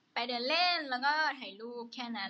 เดินเล่นแล้วก็ถ่ายรูปแค่นั้น